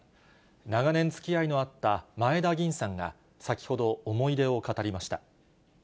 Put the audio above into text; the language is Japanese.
長年、つきあいのあった前田吟さんが先ほど、思い出を語りました。